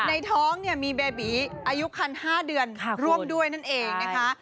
ในท้องเนี่ยมีเบบีอายุคัน๕เดือนร่วมด้วยนั่นเองนะคะ